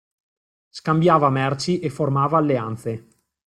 Scambiava merci e formava alleanze.